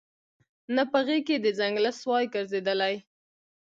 نه په غېږ کي د ځنګله سوای ګرځیدلای